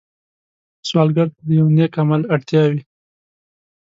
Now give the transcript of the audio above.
سوالګر ته د یو نېک عمل اړتیا وي